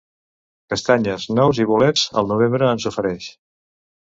Castanyes, nous i bolets el novembre ens ofereix.